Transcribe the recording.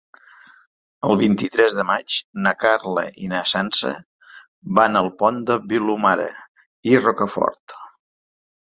El vint-i-tres de maig na Carla i na Sança van al Pont de Vilomara i Rocafort.